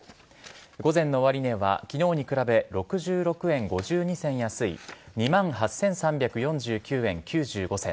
午前の終値は昨日に比べ６６円５２銭安い２万８３４９円９５銭。